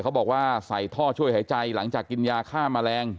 เขาบอกว่าใส่ท่อช่วยหายใจหลังจากกินยาฆ่าแมลง